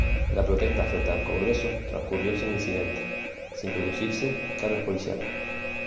La protesta frente al Congreso transcurrió sin incidentes, sin producirse cargas policiales.